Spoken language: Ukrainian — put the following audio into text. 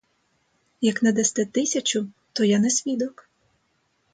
Як не дасте тисячу, то я не свідок!